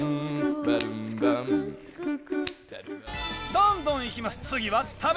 どんどんいきます！